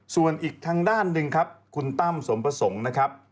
ส่วนอีกทางด้านหนึ่งครับคุณตั้มสมประสงค์นะครับ